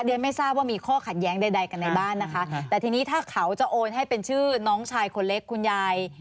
ไม่ทราบว่ามีข้อขัดแย้งใดกันในบ้านนะคะแต่ทีนี้ถ้าเขาจะโอนให้เป็นชื่อน้องชายคนเล็กคุณยาย